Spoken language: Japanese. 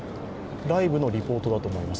ライブのリポートだと思います。